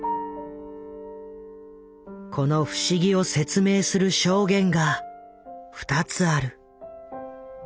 この不思議を説明する証言が２つある。